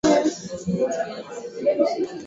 Kutupa mimba katika hatua za mwisho karibu na kuzaa